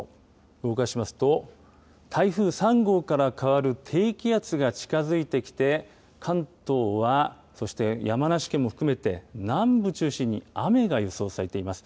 動かしますと、台風３号から変わる低気圧が近づいてきて、関東はそして、山梨県も含めて、南部中心に雨が予想されています。